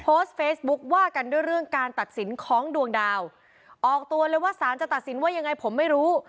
โพสต์เฟซบุ๊คว่ากันด้วยเรื่องการตัดสินของดวงดาวออกตัวเลยว่าสารจะตัดสินว่ายังไงผมไม่รู้